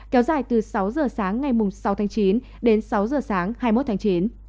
kéo dài từ sáu giờ sáng ngày sáu tháng chín đến sáu giờ sáng hai mươi một tháng chín